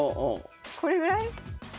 これぐらい？